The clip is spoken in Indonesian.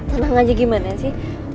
tenang aja gimana sih